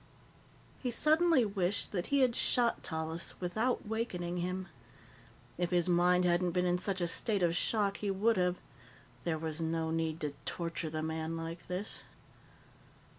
He suddenly wished that he had shot Tallis without wakening him. If his mind hadn't been in such a state of shock, he would have. There was no need to torture the man like this.